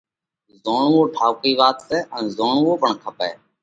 زوڻوو ٺائُوڪئي وات سئہ ان زوڻوو پڻ کپئہ۔